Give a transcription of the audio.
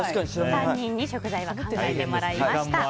３人に食材を考えてもらいました。